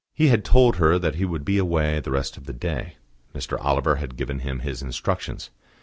He had told her that he would be away the rest of the day: Mr. Oliver had given him his instructions.